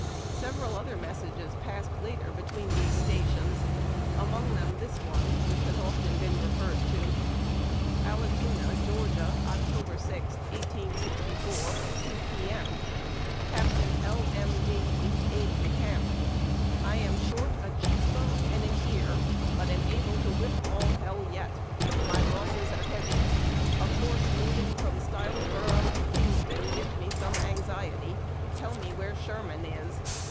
Several other messages passed later between these stations, among them this one, which has been often re ferred to :— At.latooxa, Georgia. Oct. 6, 1864 — 2 p. m. Captain L. M. D.wtox. Aide de Camp ;— I am short a cheek bone and an ear, but am able to whip all h— 1 yet. My losses are heavy. A force moving from Stilesboro to Kingston gives me some anxiety. Tell me where Sherman is.